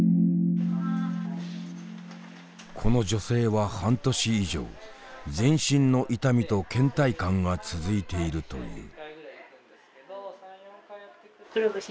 この女性は半年以上全身の痛みとけん怠感が続いているという。